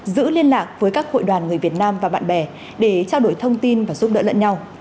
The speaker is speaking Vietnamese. giữ liên lạc với các hội đoàn người việt nam và bạn bè để trao đổi thông tin và giúp đỡ lẫn nhau